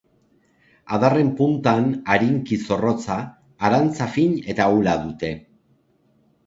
Adarren puntan arinki zorrotza arantza fin eta ahula dute.